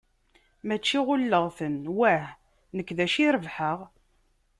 Mačči ɣulleɣ-ten, wah nekk d acu rebḥeɣ?